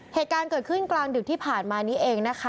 เหตุการณ์เกิดขึ้นกลางดึกที่ผ่านมานี้เองนะคะ